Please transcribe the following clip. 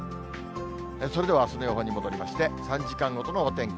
それではあすの予報に戻りまして、３時間ごとのお天気。